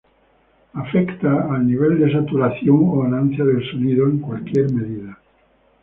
Afecta al nivel de saturación o ganancia del sonido en cualquier medida.